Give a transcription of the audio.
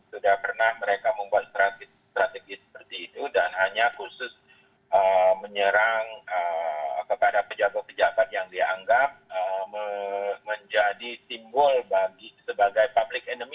sudah pernah mereka membuat strategi seperti itu dan hanya khusus menyerang kepada pejabat pejabat yang dianggap menjadi simbol bagi sebagai public enemy